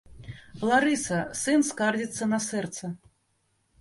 Ларыса, сын скардзіцца на сэрца.